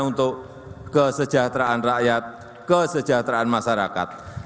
untuk kesejahteraan rakyat kesejahteraan masyarakat